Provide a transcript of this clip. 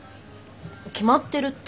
「決まってる」って？